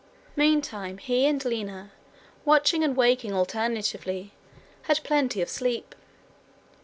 Meantime he and Lina, watching and waking alternately, had plenty of sleep.